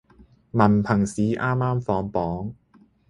文憑試啱啱放榜